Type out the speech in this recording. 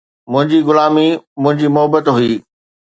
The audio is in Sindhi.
منهنجي غلامي منهنجي محبت هئي